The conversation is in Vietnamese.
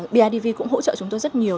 bidv cũng hỗ trợ chúng tôi rất nhiều